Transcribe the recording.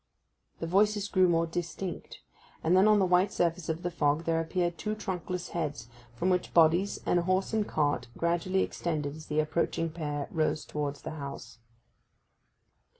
The voices grew more distinct, and then on the white surface of the fog there appeared two trunkless heads, from which bodies and a horse and cart gradually extended as the approaching pair rose towards the house.